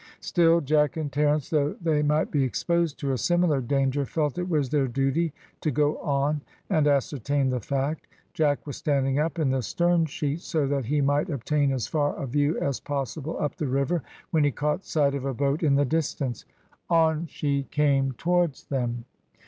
Still Jack and Terence, though they might be exposed to a similar danger, felt it was their duty to go on and ascertain the fact. Jack was standing up in the sternsheets, so that he might obtain as far a view as possible up the river, when he caught sight of a boat in the distance. On she came towards them.